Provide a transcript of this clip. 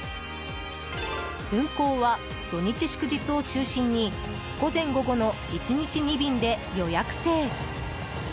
運行は土日祝日、午前・午後の１日２便で予約制。